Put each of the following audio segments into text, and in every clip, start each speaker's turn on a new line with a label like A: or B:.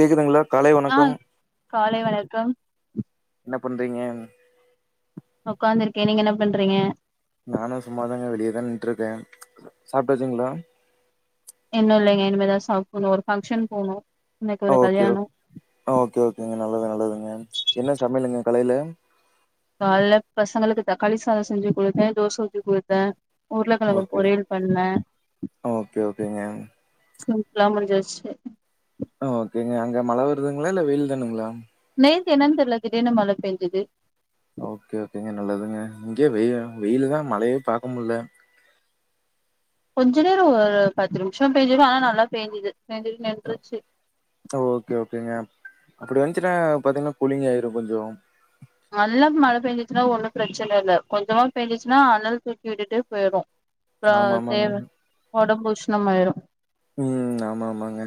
A: கேக்குதுங்ளா
B: ஆ காலை வணக்கம்
A: என்ன பண்றீங்க
B: ஒக்காந்துருக்கே நீங்க என்ன பண்றீங்க
A: நானு சும்மாதாங்க வெளியதா நின்ட்டு இருக்கே சாப்ட்டாச்சுங்ளா
B: இன்னு இல்லைங்க இனிமேதா சாப்புனு ஒரு ஃபங்க்ஷன் போனு
A: ஓகே ஓ ஓகே ஓகேங்க நல்லது நல்லதுங்க என்ன சமையலுங்க கலைல
B: கால்ல பசங்களுக்கு தக்காளி சாதோ செஞ்சி குடுத்தே தோச ஊத்தி குடுத்தே உருளக்கெழங்கு
A: ஓகே
B: பொறியல் பண்ணே
A: ஓகே ஓகேங்க
B: சிம்ப்லா முடிஞ்சிருச்சி
A: ஓகேங்க அங்க மழ வருதுங்களா இல்ல வெயில் தானுங்களா
B: நேத்து என்னானு தெர்ல திடிர்ன்னு மழ பேஞ்சது
A: ஓகே ஓகேங்க நல்லதுங்க இங்கயே வெயி வெயிலுதா மழையே பாக்க முல்ல
B: கொஞ்ச நேரோ ஒரு பத்து நிமிஷோ பேஞ்சது ஆனா நல்லா பேஞ்சது
A: ஓகே ஓகேங்க அப்டி வன்சின்னா பாத்தீங்கன்னா கூலிங்காயிரு கொஞ்சோ
B: நல்லா மழ பேஞ்சச்சின்னா ஒன்னு பிரச்சன இல்ல கொஞ்சமா பேஞ்சச்சின்னா அனல் தூக்கி விட்டுட்டு பொயிடு அப்றோ
A: ஆமா ஆமாங்க
B: தேடு ஒடம்பு உஷ்ணமாயிரு
A: ம் ஆமா ஆமாங்க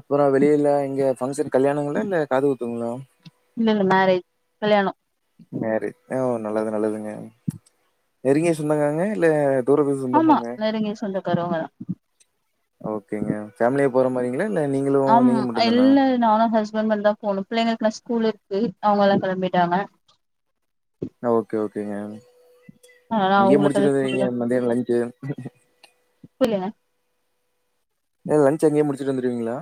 A: அப்றோ வெளிஎங்க பங்க்ஷன் கல்யாணங்ளா இல்ல காது குத்துங்ளா
B: இல்ல இல்ல மேரேஜ் கல்யாணோ
A: மேரேஜ் ஓ நல்லது நல்லதுங்க நெரிங்கிய சொந்தகாரங்க இல்ல தூரத்து
B: ஆமா
A: சொந்தமாங்க?
B: நெருங்கிய சொந்தகாறவங்கதா
A: ஓகேங்க பேமிலியா போற மாரி
B: ஆமா இல்ல நானு ஹஸ் பண்டு தா போனு பிள்ளைங்களுக்கெல்லா ஸ்கூல் இருக்கு அவங்க எல்லா கெளம்பிட்டாங்க
A: ஓகே ஓகேங்க
B: அதனால
A: அங்கயே முடிச்சிட்டு
B: அவங்களுக்கெல்லா
A: வந்துருவிங்க
B: ஸ்கூல்தா
A: மதியோ லஞ்சு
B: புரிலங்க
A: எது லன்ச் அங்கயே முடிச்சிட்டு வந்துருவீங்ளா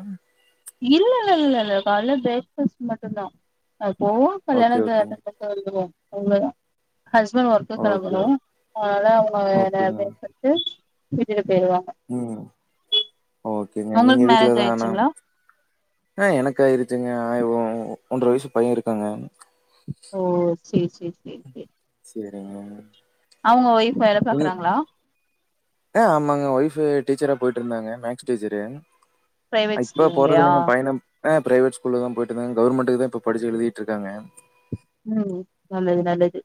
B: இல்லலல கால்ல பிரேக் பாஸ்ட் மட்டு்ந்தா ஓபன்ள
A: ஓகே,
B: [unintelligible]
A: ஓகேங்க.
B: கேட்டன் [unintelligible] அவ்ளோதான் ஹஸ்பண்ட் ஒர்க்கு
A: ஓகே,
B: கிளம்பனும்
A: ஓகே.
B: அதனால நா
A: ஓகேங்க.
B: தே [unintelligible]
A: ம் ஓகேங்க நீங்க
B: உங்களுக்கு
A: வீட்ல
B: மேரேஜ்
A: தானா
B: ஆயிடுச்சுங்களா
A: ஆ எனக்காயிருச்சுங்க ஆயி [unintelligible] ஒன்ற வயசு பையன் இருக்காங்க
B: ஓ சேரி சேரி சேரி சேரி
A: சேரிங்க
B: அவுங்க ஒய்ஃப் வேலை பாக்குறாங்களா
A: ஆ ஆமாங்க ஒய்ஃபு டீச்சரா போயிட்டு இருந்தாங்க மேக்ஸ் டீச்சரு
B: பிரைவேட்
A: இப்ப போறது
B: ஸ்கூல்லையா
A: இல்லைங்க பயணம் ஆ பிரைவேட் ஸ்கூல்ல தான் போயிட்டு இருந்தாங்க கவர்மெண்டுக்கு தான் இப்ப படிச்சு எழுதிட்டுருக்காங்க
B: ம் நல்லது நல்லது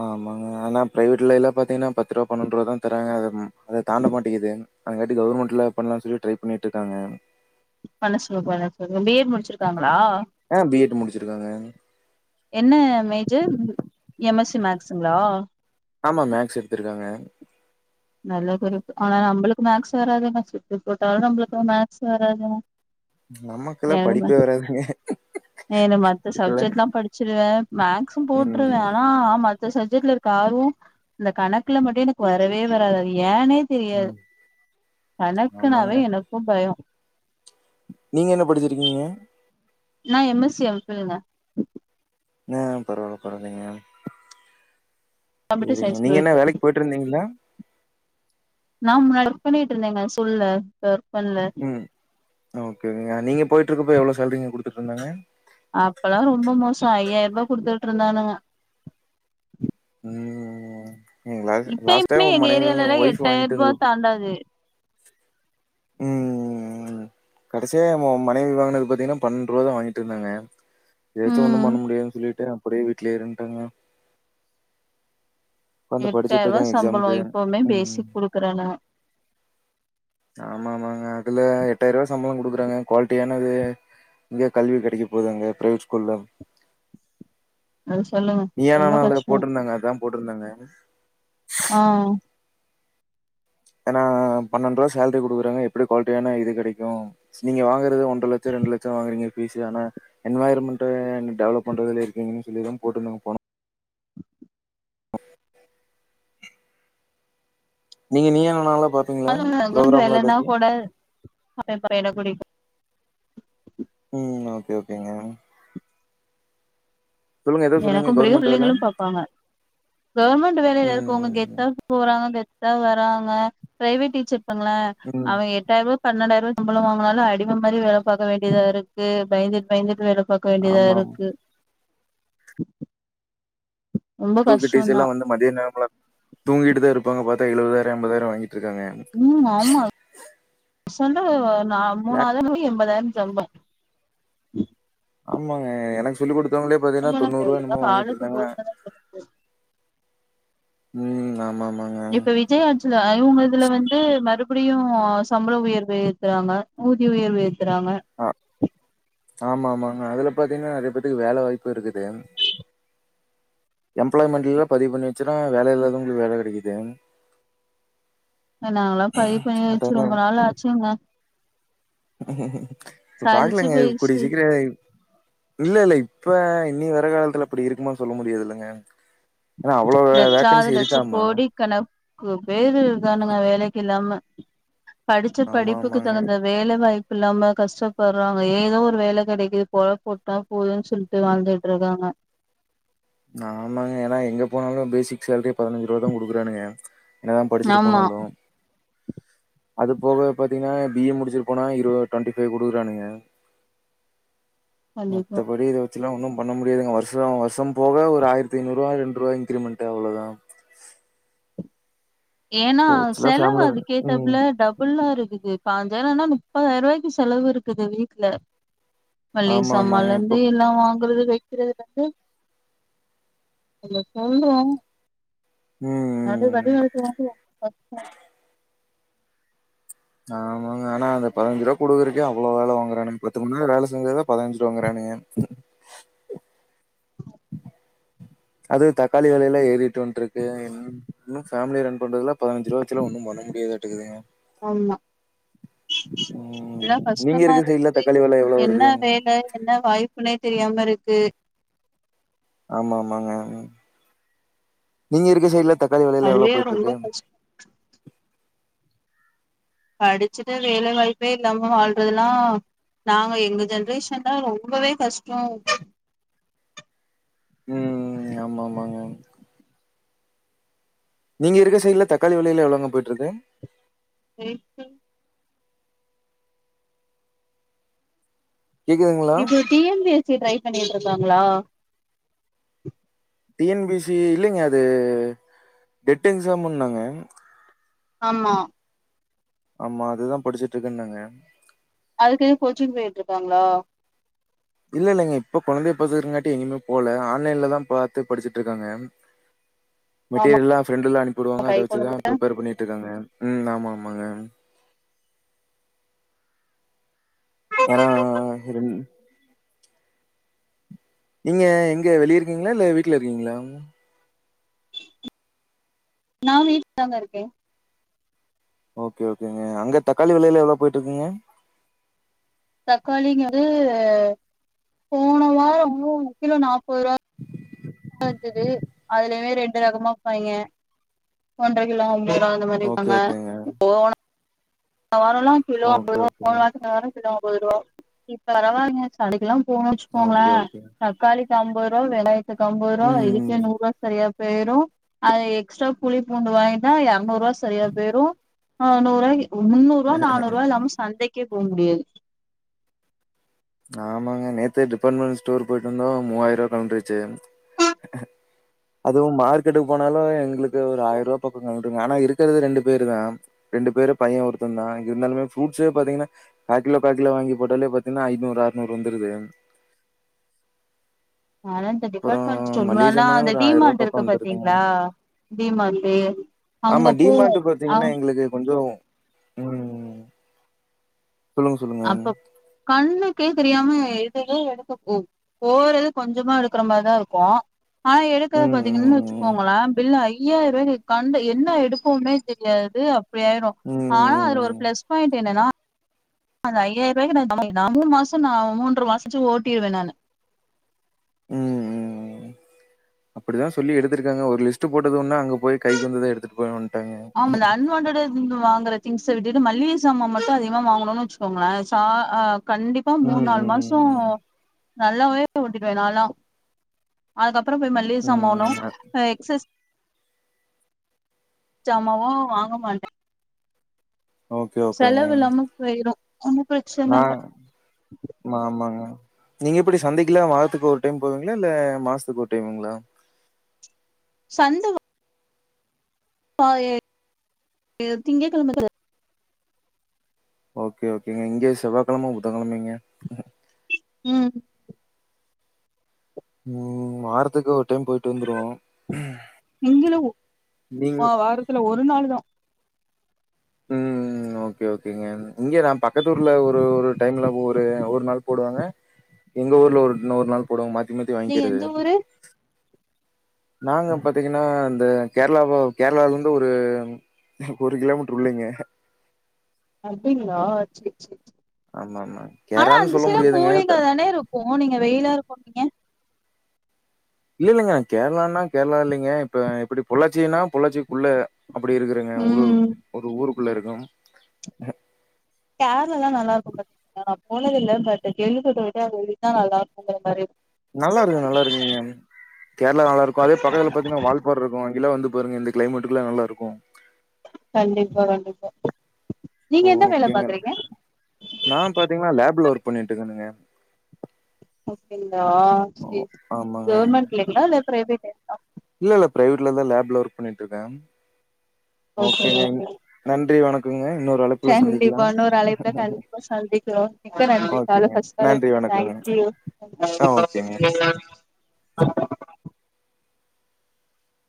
A: ஆமாங்க ஆனா பிரைவேட்ல எல்லாம் பாத்தீங்கன்னா பத்து ரூபா பன்னொன்ரூபா தான் தராங்க அத அதை தாண்ட மாட்டிகிது அதுங்காட்டி கவர்மெண்ட்ல பண்ணலாம்னு சொல்லி ட்ரை பண்ணிட்டு இருக்காங்க
B: மனசுலு [unintelligible] பி. எட் முடிச்சிருக்காங்களா
A: ஆ பி எட் முடிச்சிருக்காங்க
B: என்ன மேஜர் எம் எஸ் சி மேக்ஸ்ங்களா
A: ஆமா மேக்ஸ் எடுத்திருக்காங்க
B: நல்ல குருப் ஆனா நம்மளுக்கு மேக்ஸ் வராதுங்க சுட்டு போட்டாலும் நம்மளுக்கு மேக்ஸ் வராதுங்க
A: நமக்கெல்லாம்
B: ஏனங்க
A: படிப்பே வராதுங்க.
B: ஏன மத்த
A: இதுல
B: சப்ஜெக்ட்லாம் படிச்சிருவேன் மேக்ஸும் போட்ருவேன்
A: ம்.
B: ஆனா மத்த சப்ஜெக்ட்ல இருக்க ஆர்வம் இந்த கணக்குல மட்டும் எனக்கு வரவே வராதது ஏனே தெரியாது
A: ம். ஆமாங்க.
B: கணக்குனாவே எனக்கும் பயம்
A: நீங்க என்ன படிச்சிருக்கீங்க
B: நான் M S C, M Phil ங்க
A: ஆ பரவாயில்ல பரவலைங்க
B: கம்ப்யூட்டர்
A: சேரிங்க நீங்க என்ன வேலைக்கு போயிட்டு இருந்தீங்களா
B: நா முன்னாடி பண்ணிட்டு இருந்தேங்க ஸ்கூல்ல பண்ணல
A: ம் ஓகே நீங்க போயிட்டு இருக்கப்ப எவ்வளோ சேலரிங்க குடுத்துட்டு இருந்தாங்க
B: அப்பல்லாம் ரொம்ப மோசம் ஐயாயிர்பா குடுத்துட்டு இருந்தானுவ
A: ம் ம் லாஸ் லாஸ்ட் டைம்
B: இப்பயுமே
A: உ
B: எங்க ஏரியால
A: மனைவியும்
B: எல்லாம்
A: ஒய்ஃப்
B: எட்டாயிரம்
A: வாங்கிட்டு இருந்த
B: ரூபாய்
A: [inaudible]
B: தாண்டாது
A: ம் கடைசியா என் மனைவி வாகனத்து பாத்தீங்கன்னா பன்னரண்டு ரூபா தான் வாங்கிட்டு இருந்தாங்க இதவச்சு ஒண்ணும்
B: ம்
A: பண்ண முடியதுன்னனு சொல்லிட்டு அப்படியே வீட்டுலயே இருட்டாங்க இப்ப வந்து படிச்சுட்டு
B: எட்டாயிரூவா
A: இருக்கங்க
B: சம்பளோ
A: எக்ஸாமுக்கு
B: இப்பவுமே
A: ம்
B: பேசிக் குடுக்குறேன் நா
A: ஆமா ஆமாங்க அதுல எட்டாயிரம் ரூபா சம்பளம் குடுக்குறாங்க குவாலிட்டியானது இங்க கல்வி கிடைக்க போதூங்க பிரைவேட் ஸ்கூல்ல
B: அது சொல்லுங்க
A: நீயா
B: ரொம்ப
A: நானா ல
B: கஷ்டோ
A: போட்டிருந்தாங்க அதான் போட்டிருந்தாங்க
B: ஆ
A: ஏனா பன்னெண்டு ரூபா சேளரி குடுக்குறாங்க எப்படி குவாலிடியான இது கிடைக்கும் நீங்க வாங்கறது ஒன்ற லட்சம் ரெண்டு லட்சம் வாங்கறீங்க ஈசி தான என்விரால்மெண்ட் டெவலப் பண்றதுல இருக்கீங்கன்னு சொல்லிதான் போட்டுருந்தாங்க போன நீங்க நீயா நானால
B: [inaudible] வேலைன்னா கூட [inaudible] பையன குடிப்ப
A: உம் ஓகே ஓகேங்க சொல்லுங்க ஏதோ சொன்னீங்க
B: எனக்கும் பிடிக்கும்
A: கவர்மெண்ட் வேல
B: பிள்ளைங்களும் பாப்பாங்க கவர்மெண்ட் வேலையில இருக்கவங்க
A: ம்
B: கெத்தா போறாங்க கெத் த்தா வராங்க பிரைவேட் டீச்சர்ப்பங்கள
A: ம்
B: அவங்க எட்டாயிர்ரூபா பன்னெண்டாயிரம் சம்பளம் வாங்கினாலும் அடிம மாரி வேல பாக்க வேண்டியதா இருக்கு பயந்து பயந்துட்டு வேல பாக்க வேண்டியதா
A: ஆமா
B: இருக்கு ரொம்ப
A: குரூப் டீச்சர்
B: கஷ்டோந்தா
A: எல்லா வந்தா மதிய நேரமெல்லா தூங்கிட்டுதா இருப்பாங்க பாத்தா எழுவதாயிரோ எம்பதாயிரோ வாங்கி ட்ருக்காங்க
B: சொல்றது நா மூணா [unintelligible] முடி எண்பதாயிரோ சொல்லு
A: ஆமாங்க எனக்கு சொல்லிக் குடுத்தவங்களே பாத்தீங்கனா தொண்ணூறு ரூவா என்னமோ வாங்கிட்டு இருந்தாங்க
B: காலுக்கு
A: ம் ஆமாமா
B: இப்ப விஜய் ஆட்சில இவுங்க இதுல வந்து மறு படியு சம்பள உயர்வு ஏத்தராங்க ஊதிய உயர்வு ஏத்துறாங்க
A: ஆ ஆமாமாங்க அதுல பாத்தீங்கன்னா நெறய பேத்துக்கு வேல வாய்ப்பு இருக்குது எம்ப்ளாய்மெண்ட்ல எல்லா பதிவு பண்ணி வெச்சுன்னா வேல இல்லாதவங்களுக்கு வேல கெடைக்குது
B: நானெல்லா பதிவு பண்ணி வெச்சு
A: அதாங்க
B: ரொம்ப நாள் ஆச்சுங்க
A: இப்ப
B: சலிச்சு
A: பாக்கலாங்க கூடிய
B: போயிருச்சு
A: சீக்கிரோ இல்ல இல்ல இப்ப இனி வர காலத்துல அப்டி இருக்குமா சொல்ல முடியாது இல்லங்க
B: லட்சாவது லட்சோ கோடி கணக்கு பேரு க்கானுங்க வேலைக்கு இல்லாம படிச்ச
A: ஆமா
B: படிப்புக்கு
A: ஆமாங்க
B: தகுந்த வேலை வாய் ப்பு இல்லாம கஷ்டப்படறாங்க ஏதோ ஒரு வேல கெடைக்குது புழப் ஓட்னா போதுன் சொல்ட்டு வாழ்ந்துட்டு இருக்காங்க
A: ஆமாங்க ஏனா எங்க போனாலு பேசிக் சேலரியே பதினஞ்சுரூவாதா குடுக்கறானுங்க என்னதா படிச்சிட்டு
B: ஆமா
A: போனாலு அது போக பாத்தீங்கனா பி ஏ முடிச்சிட்டு போனா இரு டுவெண்ட்டி ஃபைவ் குடுக்கறானுங்க
B: கண்டிப்பா
A: மத்தபடி இத வெச்செல்லா ஒன்னும் பண்ண முடியாதுங்க வருஷோ வருஷம் போக ஒரு ஆயிரத்தி ஐநூறுவா ரெண்டு ரூவா இன்கிரிமெண்ட் அவ்ளோதா
B: ஏனா
A: இத வச்சுலா
B: செலவு
A: ஃபேமிலி ம்
B: அதுக்கேத்தாப்பல டபுளா இருக்கு து பாஞ்சாயிரோனா முப்பதாயிர ரூவாய்க்கு செலவு இருக்குது வீட்ல மல்லிக
A: ஆமா ஆமாங்க இப்போ
B: சாமான்லந்து எல்லா வாங்குறது வெக்கிறதலந்து இல்ல சொல்றோ
A: ம்
B: அது
A: ம்
B: வந்து [inaudible]
A: ஆமாங்க ஆனா அந்த பதினஞ்சு ரூவா குடுக்கறக்கே அவ்ளோ வேல வாங்குறானுங் பத்து மண் நேரோ வேல செஞ்சாதா பதினஞ்சு ரூவாங்றாங்க ஏங்க அது தக்காளி விலயெல்லா ஏறிட்டு வந்ட்டு இருக்கு இன்னு ஃபேமிலி ரன் பண்றதுல பதினஞ்சு ரூவா வெச்செல்லா ஒண்ணும் பண் ண முடியாதாட்டாதுங்க
B: ஆமா
A: ம்
B: எல்லா
A: நீங்க
B: கஷ்டமா
A: இருக்க சைட்ல
B: இருக்குது
A: தக்காளி வெல எவ்ளோ
B: என்ன
A: வருது
B: வேல என்ன வாய்ப்புனே தெரியாம இருக்கு
A: ஆமாமாங்க நீங்க இருக்க சைடுல தக்காளி வெலயெல்லா எவ்ளோ
B: அதுவே
A: போயிட்டு
B: ரொம்ப
A: இருக்கு
B: கஷ்டோ படிச்சிட்டு வேலைவாய்ப்பே இல்லாம வாழ்றதெல்லா நாங்க எங்க ஜென்ரேஷன்ல ரொம்பவே கஷ்டோ
A: ம் ஆமாமாங்க நீங்க இருக்க சைடுல தக்காளி வெலயெல்லா எவ்ளோங்க போயிட்டு இருக்கு
B: ஹெல்த்தி
A: கேக்குதுங்களா
B: இப்ப T N P S C try பண்ணிட்டு இருக்காங்ளா
A: T N P S C இல்லீங்க அது டெட் எக்ஸாம்ன்னாங்க
B: ஆமா
A: ஆமா அதுதா படிச்சிட்டு இருக்கேன்னாங்க
B: அதுக்னு கோச்சிங் போயிட்டு இருக்காங்ளா
A: இல்ல இல்லங்க இப்ப கொழந்தய பாத்துக்கறங்காட்டி எங்கயுமே போல ஆன்லைன்லதா பாத்து படிச்சிட்டு இருக்காங்க
B: ஆமா
A: மெட்டீரியல்லா ஃப்ரெண்டெல்லா அனுப்பி விடுவாங்க
B: கை
A: அத வெச்சுதா
B: கொழந்த
A: பிரிப்பேர் பண்ணிட்டு இருக்காங்க ம் ஆமா ஆ மாங்க ஏனா ரெண் நீங்க எங்க வெளிய இருக்கீங்ளா இல்ல வீட்ல இருக்கீங்ளா
B: நா வீட்லதா இருக்கே
A: ஓகே ஓகேங்க அங்க தக்காளி வெலயெல்லா எவ்ளோ போயிட்டு இருக்குங்க
B: தக்காளி இங்க வந்து போன வாரோ கிலோ நாப்பது ருவா [unintelligible] அதுலயுமே ரெண்டு ரகமா வப்பாய்ங்க ஒன்றர கிலோ அம் அந்த மாறி
A: ஓகே
B: விப்பாங்க
A: ஓகேங்க
B: வாரோலா கிலோ ஐம்பது
A: ஓகே
B: ருவா போன
A: ஓகேங்க
B: வாரதுக்கு இந்த வாரோ கிலோ ஐம்பது ரூபா இப்ப [unintelligible] கடைக்கலா போனோ வச்சுக்கோங்களே
A: ஓகே ஓகே
B: தக்காளிக்கு ஐம்பது ருபா வெங்காயாத்துக்கு ஐம்பது ருபா
A: ம்
B: இதுக்கே
A: ம்
B: நூறு ருபா சரியா போய்ரு அது எக்ஸ்ட்ரா புளி பூண்டு வாங்கிட்டா இரநூறு ருவா சரியா போயிரு ஆ நூறுருவாய்க்கு ஒரு முன்னூறு ருவா நானூறு ருவா இல்லாம சந்தைக்கே போ முடியாது
A: ஆமாங்க நேத்தே டிபார்ட்மெண்ட் ஸ்டோர் போய்ட்டு வந்தோ மூவாயிருவா கழண்டுருச்சு அதுவு மார்க்கெட்டுக்கு போனாலு எங்களுக்கு ஒரு ஆயிர ரூவா [unintelligible] ஆனா இருக் இருக்கறது ரெண்டு பேரு தா ரெண்டு பேரு பைய ஒருத்த தா இருந்தாலுமே ஃப்ரூட்ஸே பாத்தீங்கன்னா கா கிலே கா கிலோ வாங்கி போட்டாலே பாத்தீங்கன்னா ஐந்நூறு அறுநூறு வந்துருது
B: நால இந்த
A: அப்புறோ
B: டிபார்ட்மெண்ட் ஸ்டோர்
A: மளிகை
B: மாறில்லா
A: ஜாமானே
B: அந்த
A: ஒரு ஆயிரூவா
B: டிமார்ட்
A: பக்கோ
B: இருக்கு
A: வந்துருக்குங்க
B: பாத்தீங்களா டிமார்ட்டு அங்க
A: ஆமா
B: போவோ
A: டிமார்ட் பாத்தீங்கன்னா
B: அங்
A: எங்களுக்கு கொஞ்சோ உம்
B: அப்ப கண்ணு க்கே தெரியாம எதேதோ எடுக்க போகு போறது கொஞ்சமா எடுக்கற மாறிதா இருக்கு ஆனா எடுக்கறத
A: ம் ம்
B: பாத்தீங்கன் வச்சுக்கோங்கள பில் ஐயாயிருவா கண்ட என்ன எடுப்போமே தெரியாது அப்டி ஆயிரு
A: ம் ம்
B: ஆனா அதுல ஒரு
A: ம்
B: பிளஸ் பாயிண்ட் என்னன்னா அந்த ஐயாயிர ருவாய்க்கு நா சாமா [unintelligible] மூணு மாசோ நா மூன்ற மாசச்சு ஓட்டிருவ நானு
A: உம் உம் உம் அப்டிதா சொல்லி எடுத்திருக்காங்க ஒரு லிஸ்ட் போட்டது ஒன்னு அங்க போய் கைக்கு வந்தத எடுத்துட்டு போ ஒன்
B: ஆமால அன்வான்டட் திங்ஸ் வாங்குறது திங்ஸ விட்டுட்டு மளிக சாம மட்டு அதிகமா வாங்கணோனு வச்சுகோங்கள சா அ கண்டிப்பா மூண்
A: ம்
B: நாலு
A: ம்
B: மாசோ
A: ம்
B: நல்லாவே ஓட்டிகுவ நாலா அதுக்கப்பறோ போய் மல்லிகசாமாணு
A: ம் அ
B: எக்சஸ் ஜாமாவு வாங்க மாட்ட
A: ஓகே ஓகேங்க
B: போயிரு ஒன்னு பிரச்சன இல்ல
A: நாங்க ஆமா ஆமாங்க நீங்க எப்டி சந்தைக்குலா வாரத்துக்கு ஒரு டைம் போவீங்களா இல்ல மாசத்துக்கு ஒரு டைம்ங்களா [inaudible]
B: சந்த [unintelligible] திங்கக் கெழம [unintelligible]
A: ஓகே ஓகேங்க இங்க செவ்வாய்கெழம புதன்கெழமைங்க
B: உம்
A: உம் வாரத்துக்கு ஒரு டைம் போயிட்டு வந்துருவோ நீங்க
B: ஆ வாரத்துல ஒரு நாளு தா
A: உம்ம் ஓகே ஓகேங்க இங்க நா பக்கத்தூர்ல ஒரு ஒரு டைம்ல ஒரு ஒரு நாள் போடுவாங்க எங்க ஊர்ல ஒரு இன்னொரு நாள் போடுவாங்க மாத்தி மாத்தி
B: நீங்க
A: வாங்கிக்கிறது
B: எந்த ஊரு
A: நாங்க பாத்தீங்கன்னா இந்த கேரள கேரளால இருந்து ஒரு எனக்கு ஒரு கிலோமீட்டர் உள்ளைங்க
B: அப்டீங்களா சேரி சேரி
A: ஆமாமா.
B: ஆனா
A: கேரளான்னு
B: அந்த
A: சொல்ல
B: சைட்
A: முடியாதுங்க. த
B: கூலிங்கா தானே இருக்கு நீங்க வெயிலா இருக்குறிங்க
A: இல்ல இல்லங்க கேரளான்னா கேரளா இல்லைங்க இப்ப எப்டி பொள்ளாச்சினா பொள்ளாச்சிக்குள்ள அப்டி இருக்கறேங்க உரு
B: ம்
A: ஒரு ஊருக்குள்ள இருக்கம்
B: கேரளால்லா நல்லா இருக்கு [unintelligible] ஆனா நா போனதில்ல பட் கேள்விப்பட்டு [unintelligible] நல்லா இருக்குங்க மாறி
A: நல்லா இருக்கு நல்லா இருக்குங்க கேரளா நல்லா இருக்கு அதே பக்கத்துல பாத்தீங்கன்னா வால்பாற இருக்கு அங்கெல்லா வந்து பாருங்க இந்த கிளைமேட்டுக்குல்லா நல்லா இருக்கு
B: கண்டிப்பா கண்டிப்பா நீங்க
A: ஓ
B: என்ன வேல
A: ஓகேங்க
B: பாக்குறீங்க
A: நா பாத்தீங்ன்னா லேப்புல ஒர்க் பண்ணிட்டுருக்கேனுங்க
B: அப்டிங்ளா
A: ஓ
B: செரி
A: ஆமாங்க
B: கவுர்மெண்ட்லேங்ளா இல்ல ப்ரைவேட்லேங்ளா
A: இல்ல இல்ல ப்ரைவேட்லதா லேப்ல ஒர்க் பண்ணிட்டுருக்கே
B: ஓகே
A: ஓகேங்க இன்
B: ஓகே
A: நன்றி வணக்குங்க
B: கண்டிப்பா இன்னொரு அழைப்புல கண்டிப்பா சந்தி [unintelligible] மிக்க நன்றி கால்ல
A: ஓகேங்க
B: பஸ் காலர்
A: நன்றி
B: நீங்க
A: வணக்கங்க
B: தேங்க் யூ
A: ஆ ஓகேங்க